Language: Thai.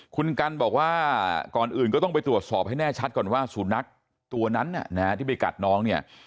คุณกันบอกว่าก่อนอื่นก็ต้องไปตรวจสอบให้แน่ชัดก่อนว่าสุนัขตัวนั้นที่ไปกัดน้องเนี่ย